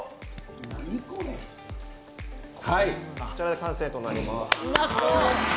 こちらで完成となります。